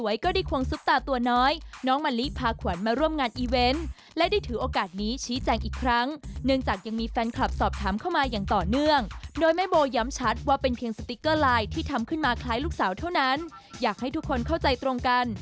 อยากให้ทุกคนเข้าใจตรงกัน